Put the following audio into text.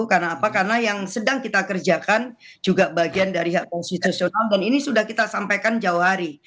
karena apa karena yang sedang kita kerjakan juga bagian dari hak konstitusional dan ini sudah kita sampaikan jauh hari